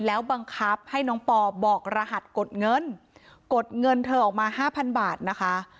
แล้วบังคับให้น้องปอบอกรหัสกดเงินกดเงินเธอออกมาห้าพันบาทนะคะ